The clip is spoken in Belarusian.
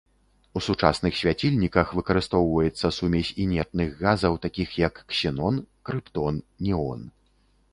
У сучасных свяцільніках выкарыстоўваецца сумець інертных газаў, такіх як ксенон, крыптон, неон.